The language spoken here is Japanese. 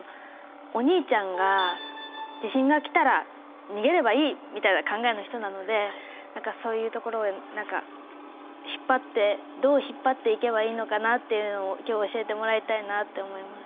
お兄ちゃんが「地震が来たら逃げればいい」みたいな考えの人なのでそういうところを何かどう引っ張っていけばいいのかなっていうのを今日は教えてもらいたいなって思います。